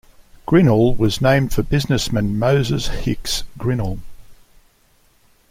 Grinnell was named for businessman Moses Hicks Grinnell.